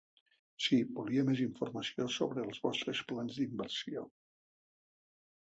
Sí, volia més informació sobre els vostres plans d'inversió.